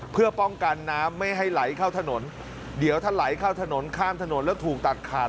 เพื่อป้องกันน้ำไม่ให้ไหลเข้าถนนเดี๋ยวถ้าไหลเข้าถนนข้ามถนนแล้วถูกตัดขาด